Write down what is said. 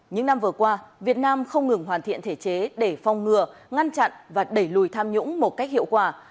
những năm vừa qua việt nam không ngừng hoàn thiện thể chế để phong ngừa ngăn chặn và đẩy lùi tham nhũng một cách hiệu quả